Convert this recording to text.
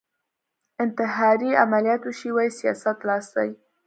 انتحاري عملیات وشي وايي سیاست لاس دی